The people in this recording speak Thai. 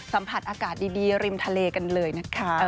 สัมผัสอากาศดีริมทะเลกันเลยนะคะ